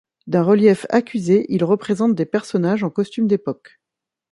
D'un relief accusé, il représente des personnages en costumes d'époque.